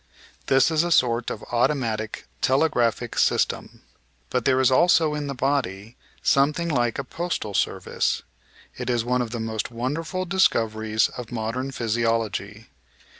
This is a sort of auto matic telegraphic system. But there is also in the body some thing like a postal service; it is one of the most wonderful discoveries of modem physiology.